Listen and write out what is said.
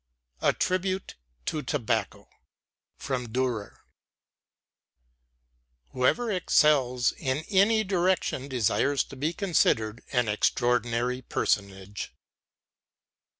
A TRIBUTE TO TOBACCO From 'Dürer' Whoever excels in any direction desires to be considered an extraordinary personage.